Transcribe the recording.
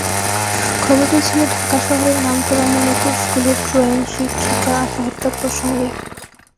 খবরটি ছিল ঢাকা শহরের নামকরা মনিপুর স্কুলের ড্রয়িং শিক্ষিকার আত্মহত্যা প্রসঙ্গে।